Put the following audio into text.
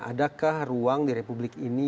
adakah ruang di republik ini